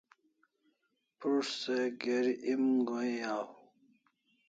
Prus't se geri em go'in aw